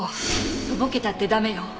とぼけたって駄目よ。